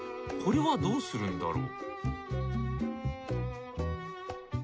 これはどうするんだろう？